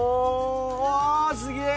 うわすげえ！